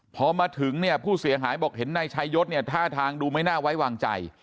พอมาถึงเนี่ยผู้เสียหายบอกเห็นนายชายศเนี่ยท่าทางดูไม่น่าไว้วางใจ